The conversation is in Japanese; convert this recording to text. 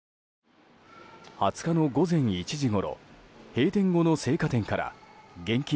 ２０日の午前１時ごろ閉店後の青果店から現金